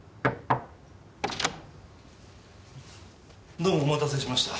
どうもお待たせしました。